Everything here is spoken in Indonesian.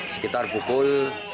sekitar pukul satu